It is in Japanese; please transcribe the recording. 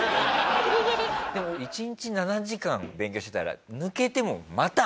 でも１日７時間勉強してたら。